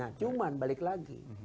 nah cuman balik lagi